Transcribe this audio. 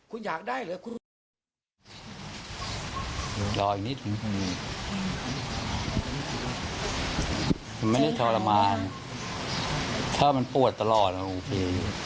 รออีกนิดนึงมันไม่ได้ชาลมานถ้ามันปวดตลอดมันโอเค